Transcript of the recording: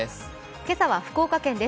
今朝は福岡県です。